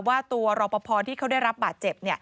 ว่าตัวรอปภที่เขาได้รับบาดเจ็บ